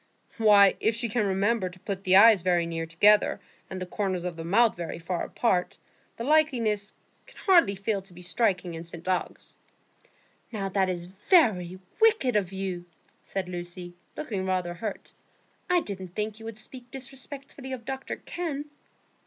"Why, if she can remember to put the eyes very near together, and the corners of the mouth very far apart, the likeness can hardly fail to be striking in St Ogg's." "Now that is very wicked of you," said Lucy, looking rather hurt. "I didn't think you would speak disrespectfully of Dr Kenn."